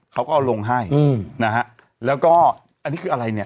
เขาก็เอาลงให้อืมนะฮะแล้วก็อันนี้คืออะไรเนี่ย